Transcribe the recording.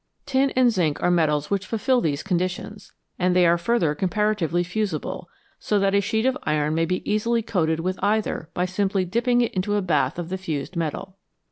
Tin and zinc are metals which fulfil these conditions, and they are further comparatively fusible, so that a sheet of iron may be easily coated with either by simply dipping it into a bath of the fused metal.